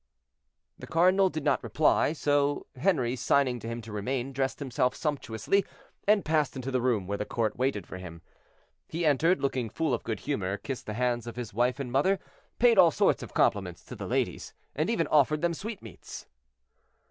The cardinal did not reply, so Henri, signing to him to remain, dressed himself sumptuously, and passed into the room where the court waited for him. He entered, looking full of good humor, kissed the hands of his wife and mother, paid all sorts of compliments to the ladies, and even offered them sweetmeats.